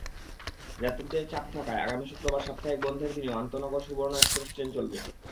যাত্রীদের চাপ থাকায় আগামী শুক্রবার সাপ্তাহিক বন্ধের দিনেও আন্তনগর সুবর্ণ এক্সপ্রেস ট্রেন চলবে।